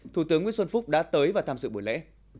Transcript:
thủ tướng nguyễn xuân phúc đã tới và tham dự buổi lễ